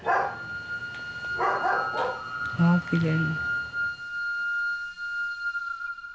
わあきれい。